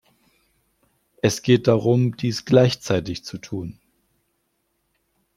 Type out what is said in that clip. Es geht darum, dies gleichzeitig zu tun.